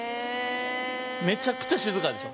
めちゃくちゃ静かでしょ。